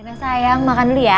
rena sayang makan dulu ya